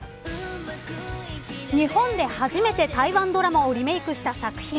日本で初めて台湾ドラマをリメークした作品